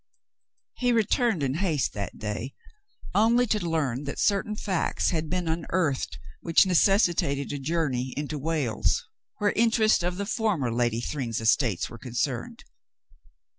He returned in haste that day, only to learn that certain facts had been unearthed which necessitated a journey into Wales, where interests of the former Lady Thryng's estates^ were concerned.